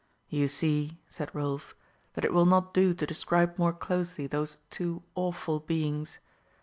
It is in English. "You see," said Rolf, "that it will not do to describe more closely those two awful beings.